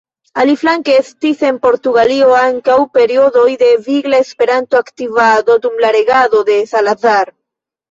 Aliflanke estis en Portugalio ankaŭ periodoj de vigla Esperanto-aktivado dum la regado de Salazar.